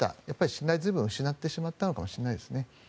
信頼を随分失ってしまったのかもしれないですね。